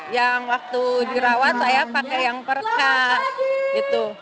yang waktu dirawat saya pakai yang perekat